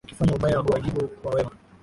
Wakifanya ubaya, uwajibu kwa wema.